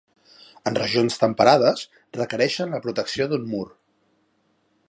En regions temperades, requereixen la protecció d'un mur.